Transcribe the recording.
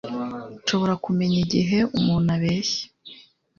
Nshobora kumenya igihe umuntu abeshya